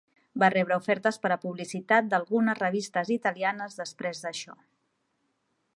Va rebre ofertes per a publicitat d'algunes revistes italianes després d'això.